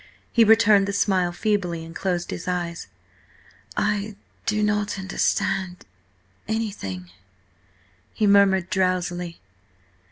He returned the smile feebly and closed his eyes. "I–do not–understand–anything," he murmured drowsily.